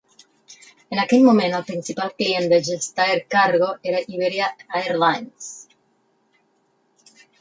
En aquell moment, el principal client de Gestair Cargo era Iberia Airlines.